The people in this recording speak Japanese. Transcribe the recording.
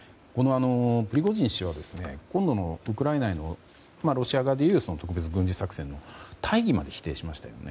プリゴジン氏は今度のウクライナへのロシア側がいう特別軍事作戦の大義まで否定しましたよね。